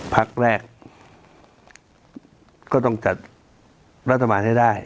พักแรกก็ต้องจัดรัฐบาลให้ได้